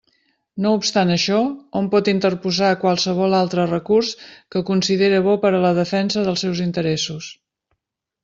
No obstant això, hom pot interposar qualsevol altre recurs que considere bo per a la defensa dels seus interessos.